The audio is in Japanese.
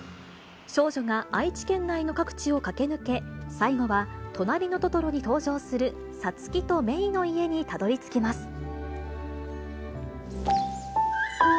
少女が愛知県内の各地を駆け抜け、最後はとなりのトトロに登場するサツキとメイの家にたどりつきます。